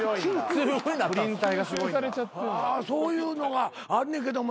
そういうのがあんねんけどもいや違うがな。